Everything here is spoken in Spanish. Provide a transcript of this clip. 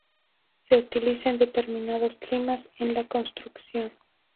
Se utiliza en determinados climas en la construcción.